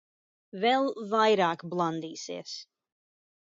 Vēl vairāk blandīsies.